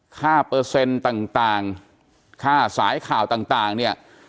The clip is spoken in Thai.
ค่าเปอร์เซ็นต์ต่างค่าสายข่าวต่างเนี่ย